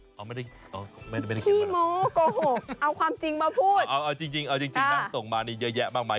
ไหนไม่มีพี่โม้โกหกเอาความจริงมาพูดเอาจริงนั่งส่งมานี่เยอะแยะมากมาย